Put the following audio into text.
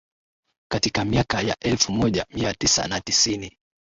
Katika miaka ya elfu moja mia tisa na tisini